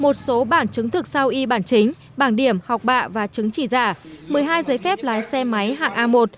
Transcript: một số bản chứng thực sau y bản chính bảng điểm học bạ và chứng chỉ giả một mươi hai giấy phép lái xe máy hạng a một